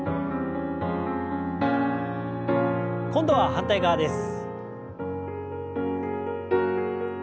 今度は反対側です。